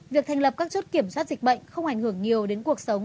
việc thành lập các chốt kiểm soát dịch bệnh không ảnh hưởng nhiều đến cuộc sống